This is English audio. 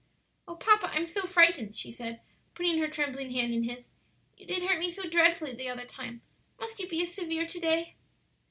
"Oh, papa, I'm so frightened," she said, putting her trembling hand in his; "you did hurt me so dreadfully the other time; must you be as severe to day?"